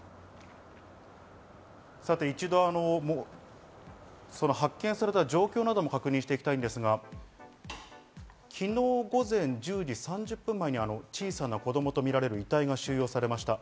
一度発見された状況なども確認していきたいんですが、昨日午前１０時３０分前に小さな子供とみられる遺体が収容されました。